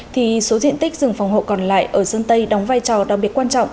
thì số diện tích rừng phòng hộ còn lại ở sơn tây đóng vai trò đặc biệt quan trọng